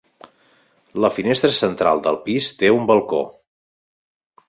La finestra central del pis té un balcó.